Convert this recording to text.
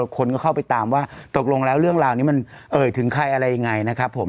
คนก็เข้าไปตามว่าตกลงแล้วเรื่องราวนี้มันเอ่ยถึงใครอะไรยังไงนะครับผม